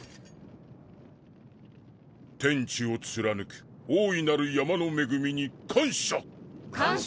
天地を貫く大いなる山の恵みに感謝。感謝。